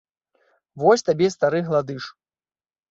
Вось табе стары гладыш!